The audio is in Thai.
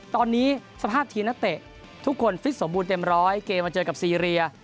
ตอนนี้สภาพทีมนักเตะทุกคนฟิตสมบูรณ์เต็มร้อยเกมมาเจอกับซีเรีย